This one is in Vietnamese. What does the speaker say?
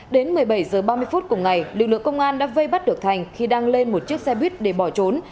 đến một mươi bảy h ba mươi phút cùng ngày lực lượng công an đã vây bắt được thành khi đang lên một chiếc xe buýt để bỏ trốn